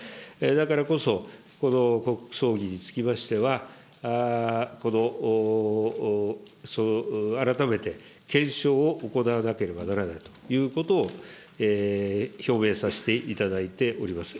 だからこそ、この国葬儀につきましては、改めて検証を行わなければならないということを表明させていただいております。